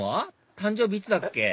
誕生日いつだっけ？